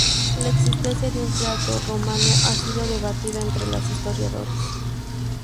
La existencia de un teatro romano ha sido debatida entre los historiadores.